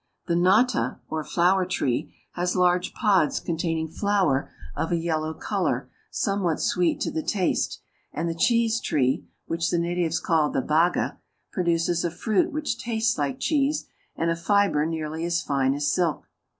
The nata, or flour tree, has large pods containing flour of a yellow color somewhat sweet to the taste; and the cheese tree, which the natives call the baga, produces a fruit which tastes like cheese, and a fiber nearly as fine as silk.